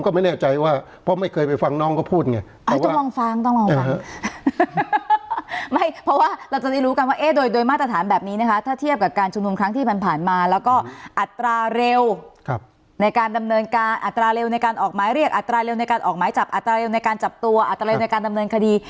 ก็ไม่แน่ใจว่าเพราะไม่เคยไปฟังน้องก็พูดไงอาจจะต้องลองฟังต้องลองฟังไม่เพราะว่าเราจะได้รู้กันว่าเอ๊ะโดยโดยมาตรฐานแบบนี้นะคะถ้าเทียบกับการชุมนุมครั้งที่ผ่านมาแล้วก็อัตราเร็วในการดำเนินการอัตราเร็วในการออกหมายเรียกอัตราเร็วในการออกหมายจับอัตราเร็วในการจับตัวอัตราอะไรในการดำเนินคดี